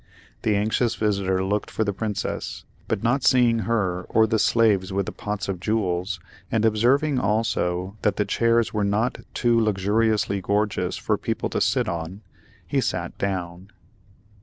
The anxious visitor looked for the Princess, but not seeing her, or the slaves with the pots of jewels, and observing, also, that the chairs were not too luxuriously gorgeous for people to sit on, he sat down.